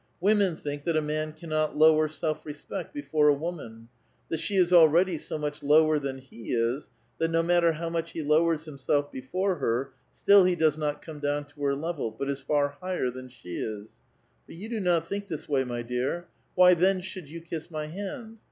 AVomen think that a man cannot lower self respect before a ^VFoman ; that she is already so much lower than he is, that no matter how much he lowers himself before her, still he c^oes not come down to her level, but is far higher than she is. But 3'ou do not think this way, my dear ; why, then jshould you kiss my hand.